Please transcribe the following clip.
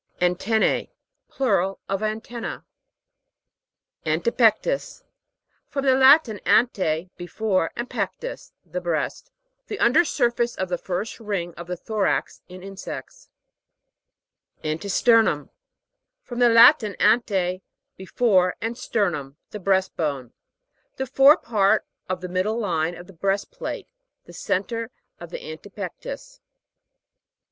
ANTEN'NA. Plural of antenna. ANTEPEC'TUS. From the Latin, ante, before, and pcctus, the breast. The under surface of the first ring of the thorax in insects. ANTESTER'NUM. From the Latin, ante, before, and sternum, the breast bone. The fore part of the middle line of the breast plate; the centre of the antepectus.